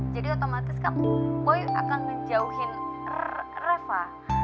jadi otomatis kan boy akan menjauhin reva